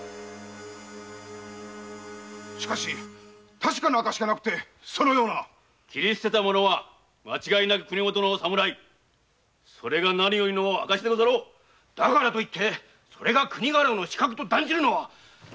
確かな証もなくそのような斬り捨てた者は間違いなく国元の侍それが何よりの証だからと言ってそれが国家老の刺客と断じるのは。